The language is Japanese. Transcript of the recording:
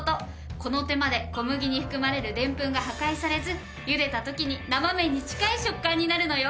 この手間で小麦に含まれるでんぷんが破壊されずゆでた時に生麺に近い食感になるのよ！